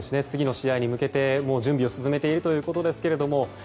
次の試合に向けて準備を進めているということです。